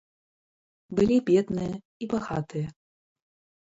Былі бедныя і багатыя.